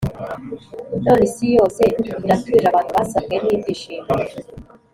None isi yose iratuje, abantu basabwe n’ibyishimo.